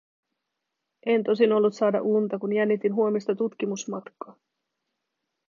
En tosin ollut saada unta, kun jännitin huomista tutkimusmatkaa.